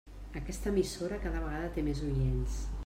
Aquesta emissora cada vegada té més oients.